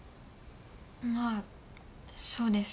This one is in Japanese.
まあそうです。